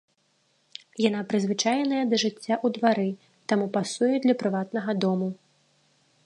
Яна прызвычаеная да жыцця ў двары, таму пасуе для прыватнага дому.